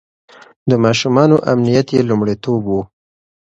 د ماشومانو امنيت يې لومړيتوب و.